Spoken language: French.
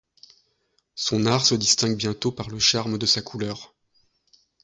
Son art se distingue bientôt par le charme de sa couleur.